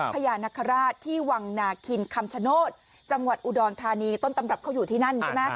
พญานาคาราชที่วังนาคินคำชโนธจังหวัดอุดรธานีต้นตำรับเขาอยู่ที่นั่นใช่ไหม